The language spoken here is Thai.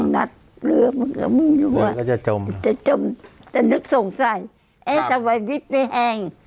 นัดเรือมันก็มึงอยู่บ้างจะจมจะจมจะนึกสงสัยเอ๊ะสวัสดีไปแห่ง